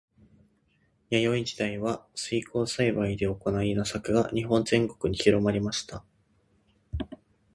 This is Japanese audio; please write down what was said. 弥生時代は水耕栽培で行う稲作が日本全国に広まりました。